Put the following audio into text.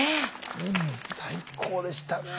うん最高でしたね。